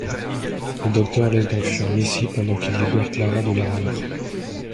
Le Docteur laisse donc fuir Missy pendant qu'il libère Clara de l'armure.